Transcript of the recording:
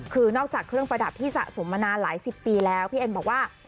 คือนอกจากเครื่องประดับที่สะสมมานานหลายสิบปีแล้วพี่เอ็นบอกว่า